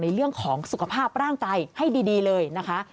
เรื่องของสุขภาพร่างกายให้ดีเลยนะคะ